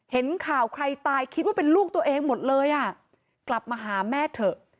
เห็นข่าวใครตายคิดว่าเป็นลูกตัวเองหมดเลยอ่ะกลับมาหาแม่เถอะ